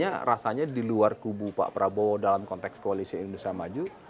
dan rasanya di luar kubu pak prabowo dalam konteks koalisi indonesia maju